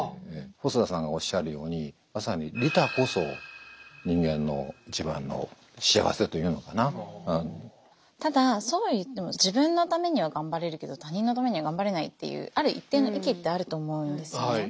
細田さんがおっしゃるようにまさにただそうは言っても自分のためには頑張れるけど他人のためには頑張れないっていうある一定の域ってあると思うんですよね。